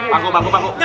bangku bangku bangku